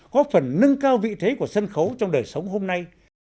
có phần nâng cao vị thế của sân khấu trong đời sống hôm nay